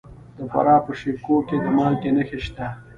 د فراه په شیب کوه کې د مالګې نښې شته.